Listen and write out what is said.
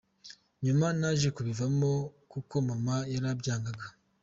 Nyuma naje kubivamo kuko Mama yarabyangaga”.